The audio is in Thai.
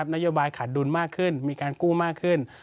นโยบายขาดดุลมากขึ้นมีการกู้มากขึ้น